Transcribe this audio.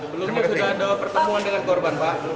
belumnya sudah ada pertemuan dengan korban pak